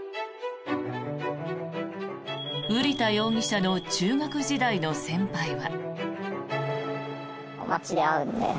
瓜田容疑者の中学時代の先輩は。